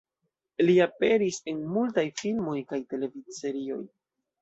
Li aperis en multaj filmoj kaj televidserioj.